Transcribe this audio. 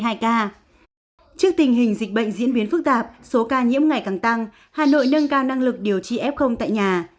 trước tình hình dịch bệnh diễn biến phức tạp số ca nhiễm ngày càng tăng hà nội nâng cao năng lực điều trị f tại nhà